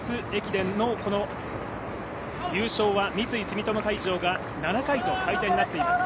伝の優勝は三井住友海上が７回と最多になっています。